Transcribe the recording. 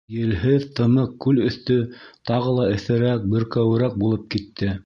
Елһеҙ тымыҡ күл өҫтө тағы ла эҫерәк, бөркәүерәк булып китте.